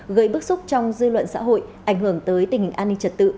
gây bức xúc trong dư luận xã hội ảnh hưởng tới tình hình an ninh trật tự